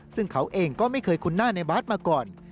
ซึ่งเขาเองก็ไม่เคยคุ้นหน้าในบาสมาก่อน